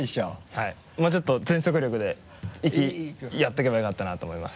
はいもうちょっと全速力で行きやっとけばよかったなと思います。